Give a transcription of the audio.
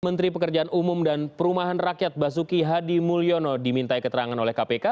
menteri pekerjaan umum dan perumahan rakyat basuki hadi mulyono dimintai keterangan oleh kpk